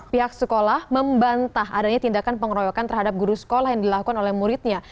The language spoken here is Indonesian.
pihak sekolah membantah adanya tindakan pengeroyokan terhadap guru sekolah yang dilakukan oleh muridnya